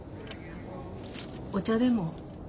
お茶でも。